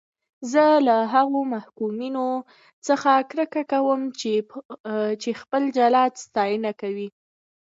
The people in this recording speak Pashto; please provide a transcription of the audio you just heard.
زه له هغو محکومینو څخه کرکه کوم چې خپل جلاد ستاینه کوي.